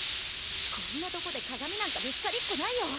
こんなとこで鏡なんか見つかりっこないよ。